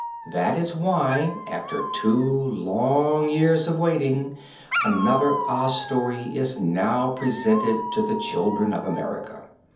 That is why, after two long years of waiting, another Oz story is now presented to the children of America.